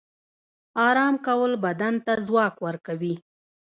آرام کول بدن ته ځواک ورکوي